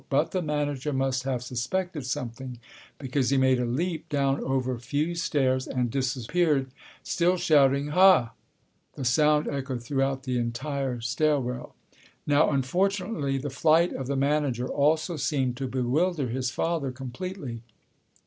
But the manager must have suspected something, because he made a leap down over a few stairs and disappeared, still shouting "Huh!" The sound echoed throughout the entire stairwell. Now, unfortunately this flight of the manager also seemed to bewilder his father completely.